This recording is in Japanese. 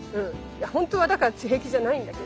本当はだから平気じゃないんだけど。